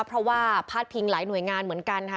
เพราะว่าพาดพิงหลายหน่วยงานเหมือนกันค่ะ